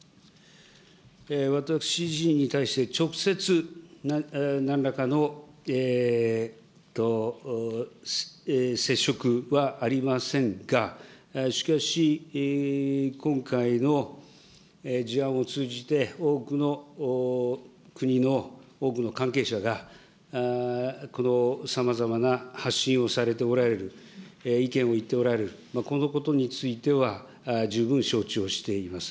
私自身に対して直接なんらかの接触はありませんが、しかし、今回の事案を通じて、多くの国の多くの関係者が、このさまざまな発信をされておられる、意見を言っておられる、このことについては、十分承知をしています。